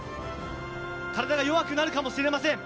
体が弱くなるかもしれません。